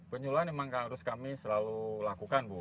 penyuluhan memang harus kami selalu lakukan bu